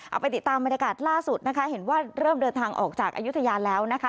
เอาไปติดตามบรรยากาศล่าสุดนะคะเห็นว่าเริ่มเดินทางออกจากอายุทยาแล้วนะคะ